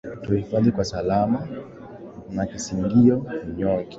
Tuhifadhi kwa salama, na kisingio unyonge,